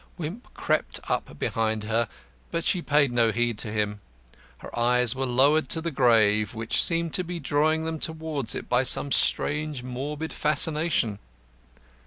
Wimp crept up behind her, but she paid no heed to him. Her eyes were lowered to the grave, which seemed to be drawing them towards it by some strange morbid fascination.